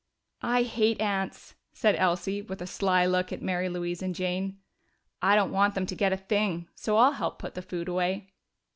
"I hate aunts," said Elsie, with a sly look at Mary Louise and Jane. "I don't want them to get a thing, so I'll help put the food away."